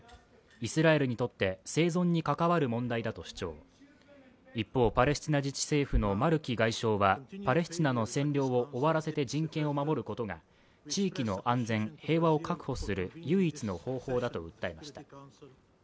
イスラエルにとって生存に関わる問題だと主張一方、パレスチナ自治制のマルキ外相はパレスチナの占領を終わらせて人権を守ることが地域の安全・平和を確保する唯一の方法だと訴えました。